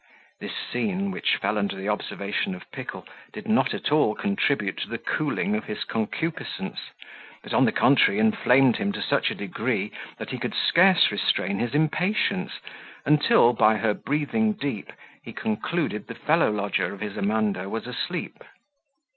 This scene, which fell under the observation of Pickle, did not at all contribute to the cooling of his concupiscence, but on the contrary inflamed him to such a degree, that he could scarce restrain his impatience, until, by her breathing deep, he concluded the fellow lodger of his Amanda was asleep.